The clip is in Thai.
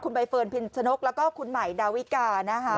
ใบเฟิร์นพินชนกแล้วก็คุณใหม่ดาวิกานะคะ